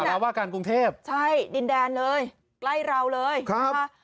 ราวาการกรุงเทพใช่ดินแดนเลยใกล้เราเลยครับ